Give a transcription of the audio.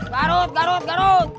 garut garut garut